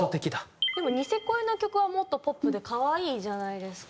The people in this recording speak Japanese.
でも『ニセコイ：』の曲はもっとポップで可愛いじゃないですか。